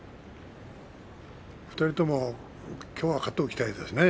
２人とも、きょうは勝っておきたいですね。